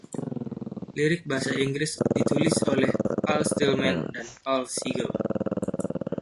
Lirik bahasa Inggris ditulis oleh Al Stillman dan Paul Siegel.